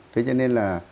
thế cho nên là